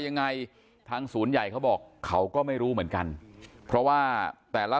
ยังไงทางศูนย์ใหญ่เขาบอกเขาก็ไม่รู้เหมือนกันเพราะว่าแต่ละ